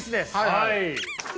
はい。